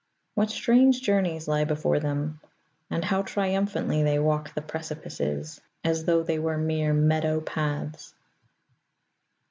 What strange journeys lie before them, and how triumphantly they walk the precipices as though they were mere meadow paths.